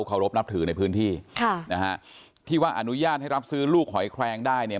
เคารพนับถือในพื้นที่ค่ะนะฮะที่ว่าอนุญาตให้รับซื้อลูกหอยแครงได้เนี่ย